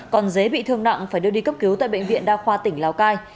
còn dế bị thương nặng phải đưa đi cấp cứu tại bệnh viện đa khoa tỉnh lào cai